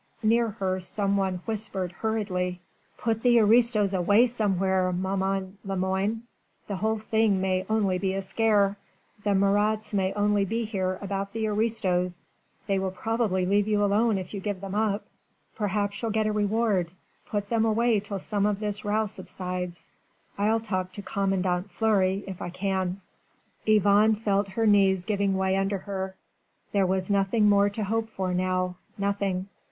Near her some one whispered hurriedly: "Put the aristos away somewhere, maman Lemoine ... the whole thing may only be a scare ... the Marats may only be here about the aristos ... they will probably leave you alone if you give them up ... perhaps you'll get a reward.... Put them away till some of this row subsides ... I'll talk to commandant Fleury if I can." Yvonne felt her knees giving way under her. There was nothing more to hope for now nothing.